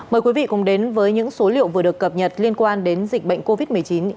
mời quý vị cùng đến với những số liệu vừa được cập nhật liên quan đến dịch bệnh covid một mươi chín